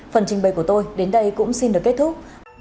phần trình bày của tôi đến đây cũng xin được kết thúc